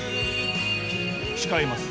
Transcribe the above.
誓います。